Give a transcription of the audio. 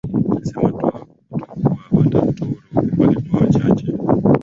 Sema tu kuwa Wataturu walikuwa wachache